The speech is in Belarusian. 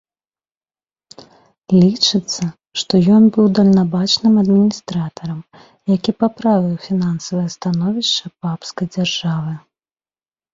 Лічыцца, што ён быў дальнабачным адміністратарам, які паправіў фінансавае становішча папскай дзяржавы.